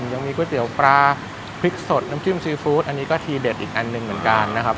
ยังมีก๋วยเตี๋ยวปลาพริกสดน้ำจิ้มซีฟู้ดอันนี้ก็ทีเด็ดอีกอันหนึ่งเหมือนกันนะครับ